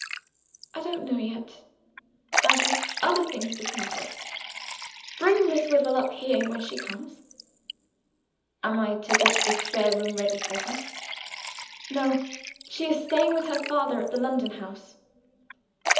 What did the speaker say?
"I don't know yet I have other things to think of. Bring Miss Wyvil up here when she comes." "Am I to get the spare room ready for her?" "No. She is staying with her father at the London house."